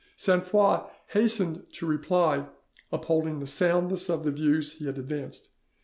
Sainte Foix hastened to reply, upholding the soundness of the views he had advanced.